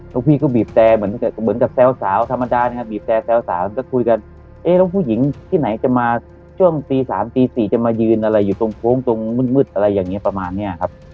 พี่ก็บีบแต่เหมือนกับแซวสาวธรรมดานะครับบีบแต่แซวสาวก็คุยกันเอ๊ะแล้วผู้หญิงที่ไหนจะมาช่วงตี๓ตี๔จะมายืนอะไรอยู่ตรงโค้งตรงมืดอะไรอย่างนี้ประมาณนี้ครับ